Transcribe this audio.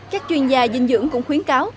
các chuyên gia dinh dưỡng cũng khuyến cáo